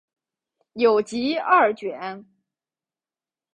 有集二卷。